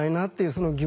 その疑問